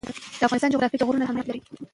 د افغانستان جغرافیه کې غرونه ستر اهمیت لري.